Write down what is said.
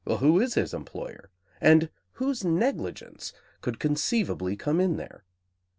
Who is his employer? And whose negligence could conceivably come in there?